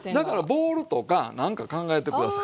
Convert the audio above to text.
ボウルとかなんか考えて下さい。